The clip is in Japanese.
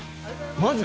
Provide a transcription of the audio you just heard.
マジ？